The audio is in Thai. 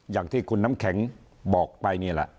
อย่างที่คุณน้ำแข็งบอกไปนี่แหละ